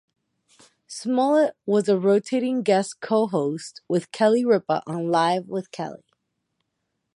Smollett was a rotating guest co-host with Kelly Ripa on Live with Kelly.